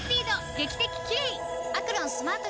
劇的キレイ！